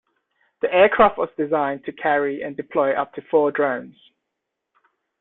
The aircraft was designed to carry and deploy up to four drones.